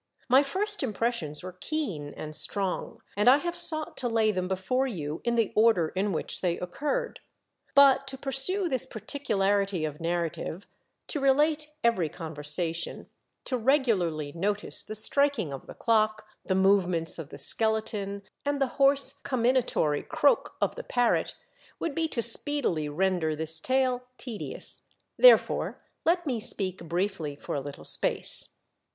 My first impressions were keen and strong, and I have sought to lay them before you in the order in v/hich they occurred. But to pursue this particularity of narrative, to relate every conversation, to regularly notice the striking of the clock, the movements of the skeleton, and the hoarse comminatorv croak of the IMOGENE AND I ARE MUCH TOGETHER. 1 87 parrot, would be to speedily render this tale tedious. Therefore let me speak briefly for a little space.